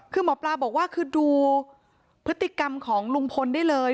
คือหมอปลาบอกว่าคือดูพฤติกรรมของลุงพลได้เลย